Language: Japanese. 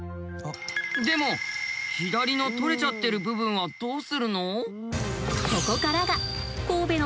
でも左の取れちゃってる部分はどうするの？